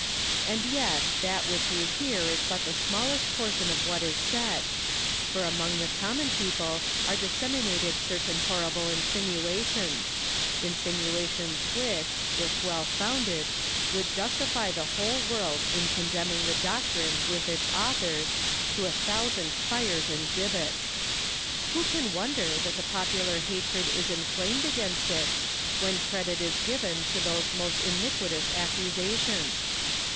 And yet that which you hear is but the smallest portion of what is said; for among the common people are disseminated certain horrible insinuations insinuations which, if well founded, would justify the whole world in condemning the doctrine with its authors to a thousand fires and gibbets. Who can wonder that the popular hatred is inflamed against it, when credit is given to those most iniquitous accusations?